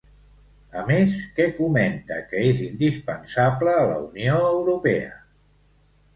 A més, què comenta que és indispensable a la Unió Europea?